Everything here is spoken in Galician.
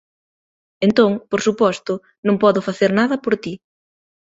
Entón, por suposto, non podo facer nada por ti.